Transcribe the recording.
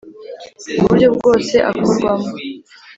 uburyo bwose akorwamo